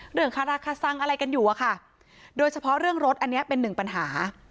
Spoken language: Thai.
คาราคาซังอะไรกันอยู่อะค่ะโดยเฉพาะเรื่องรถอันนี้เป็นหนึ่งปัญหา